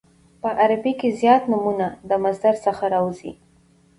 په عربي کښي زیات نومونه د مصدر څخه راوځي.